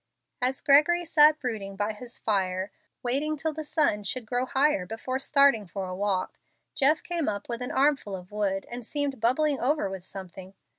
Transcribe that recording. As Gregory sat brooding by his fire, waiting till the sun should grow higher before starting for a walk, Jeff came up with an armful of wood, and seemed bubbling over with something.